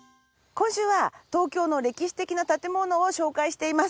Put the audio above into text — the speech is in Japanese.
今週は東京の歴史的な建物を紹介しています。